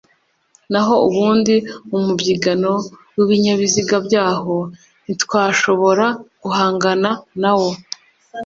naho ubundi umubyigano w’ibinyabiziga byaho ntitwashobora guhangana nawo